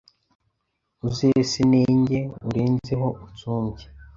Uzese nenjye, urenzeho Unsumbye